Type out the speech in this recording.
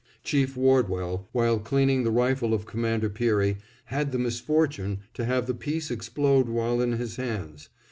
Chief Wardwell, while cleaning the rifle of Commander Peary, had the misfortune to have the piece explode while in his hands.